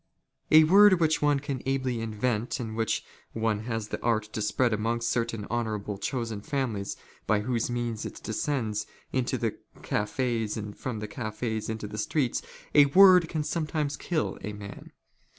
A word which one can ably invent and " which one has the art to spread amongst certain honourable " chosen families by whose means it descends into the cafes, and "from the cafes into the streets; a word can sometimes kill a man.